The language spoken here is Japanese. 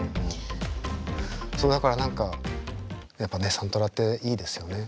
そうだから何かやっぱねサントラっていいですよね。